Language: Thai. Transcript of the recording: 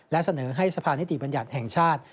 และเสนอให้สภานิติบัญญัติแห่งชาติ